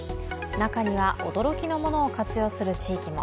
中には驚きのものを活用する地域も。